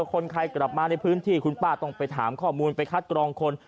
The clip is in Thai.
คนใครกลับมาในพื้นที่คุณป้าต้องไปถามข้อมูลไปคัดกรองคน